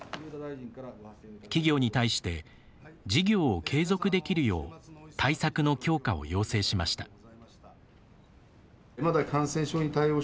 企業に対して事業を継続できるよう対策の強化を要請しました。